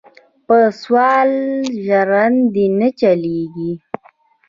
پۀ سوال ژرندې نۀ چلېږي.